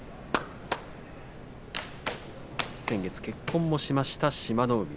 先月、結婚しました志摩ノ海。